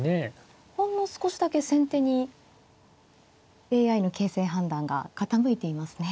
ほんの少しだけ先手にＡＩの形勢判断が傾いていますね。